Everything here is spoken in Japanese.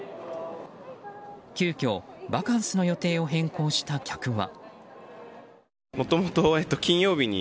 急きょバカンスの予定を変更した客は。